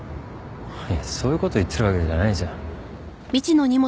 いやそういうこと言ってるわけじゃないじゃん。